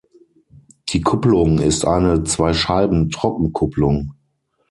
Die Kupplung ist eine Zweischeiben-Trockenkupplung.